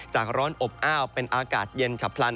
ร้อนอบอ้าวเป็นอากาศเย็นฉับพลัน